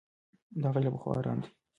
دا غږ له پخوا ارام دی.